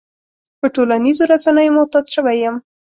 په ټولنيزو رسنيو معتاد شوی يم.